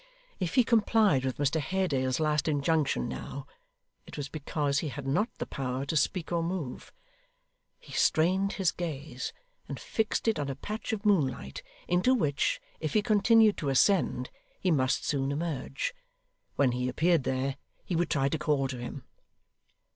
If he complied with Mr Haredale's last injunction now, it was because he had not the power to speak or move. He strained his gaze, and fixed it on a patch of moonlight, into which, if he continued to ascend, he must soon emerge. When he appeared there, he would try to call to him.